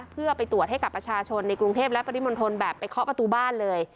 เพื่อไปตรวจให้กับประชาชนในกรุงเทพและปริมณฑลแบบไปเคาะประตูบ้านเลย